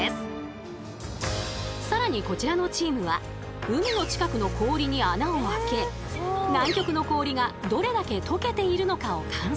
更にこちらのチームは海の近くの氷に穴を開け南極の氷がどれだけとけているのかを観測。